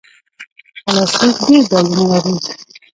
پلاستيک ډېر ډولونه لري.